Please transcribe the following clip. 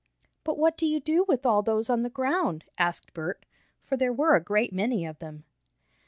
"But what do you do with all those on the ground?" asked Bert, for there were a great many of them.